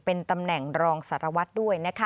เป็นตำแหน่งรองสารวัตรด้วย